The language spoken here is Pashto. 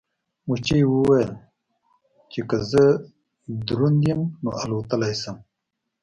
مچۍ وویل چې که زه دروند یم نو الوتلی شم.